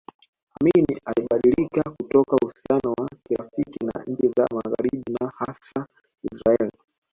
Amin alibadilika kutoka uhusiano wa kirafiki na nchi za magharibi na hasa Israeli